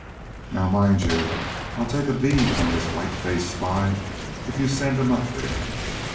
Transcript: "Now mind you, I'll take a bead on this white faced spy if you send him up there."